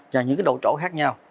và những cái độ trổ khác nhau